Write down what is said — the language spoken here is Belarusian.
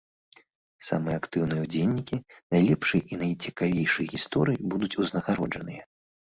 Самы актыўныя ўдзельнікі, найлепшыя і найцікавейшыя гісторыі будуць узнагароджаныя!